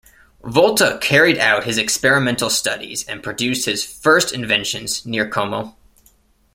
Volta carried out his experimental studies and produced his first inventions near Como.